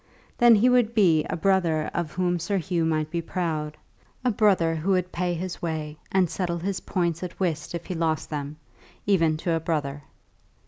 Then he would be a brother of whom Sir Hugh might be proud; a brother who would pay his way, and settle his points at whist if he lost them, even to a brother.